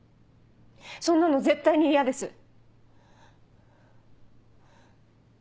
そんなの絶対に嫌です！